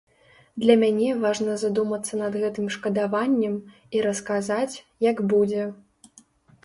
Для мяне важна задумацца над гэтым шкадаваннем і расказаць, як будзе.